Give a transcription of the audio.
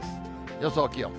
予想気温。